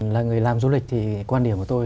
là người làm du lịch thì quan điểm của tôi